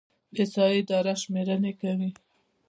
د احصایې اداره شمیرنې کوي